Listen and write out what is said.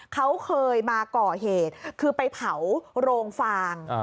เขาเคยมาก่อเหตุคือไปเผาโรงฟาง